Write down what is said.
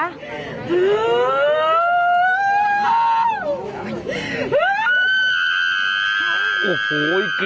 อรองขอบคุณครับ